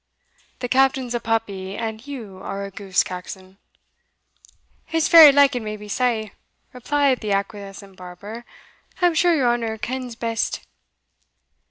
"The Captain's a puppy, and you are a goose, Caxon." "It's very like it may be sae," replied the acquiescent barber: "I am sure your honour kens best."